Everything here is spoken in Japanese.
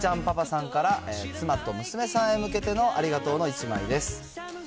キーちゃんパパさんから、妻と娘さんへ向けてのありがとうの１枚です。